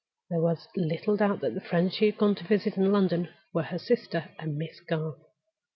There was little doubt that the friends she had gone to visit in London were her sister and Miss Garth.